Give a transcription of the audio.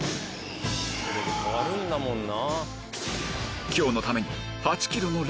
これで変わるんだもんな。